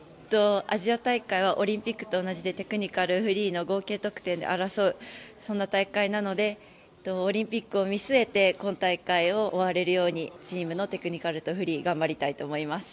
アジア大会はオリンピックと同じでテクニカル、フリーの合計得点で争う、そんな大会なのでオリンピックを見据えて今大会を終われるように、チームのテクニカルとフリー、頑張りたいと思います。